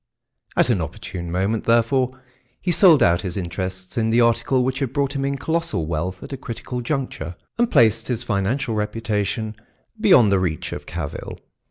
At an opportune moment, therefore, he sold out his interests in the article which had brought him in colossal wealth at a critical juncture and placed his financial reputation beyond the reach of cavil.